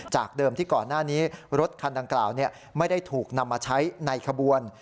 จากเดิมที่ก่อนหน้านี้รถคันดังกล่าวไม่ได้ถูกนำมาใช้ในขบวน